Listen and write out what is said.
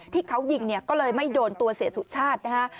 ที่เขายิงเนี่ยก็เลยไม่โดนตัวเสียสุชาตินะฮะ